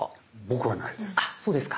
僕はないです。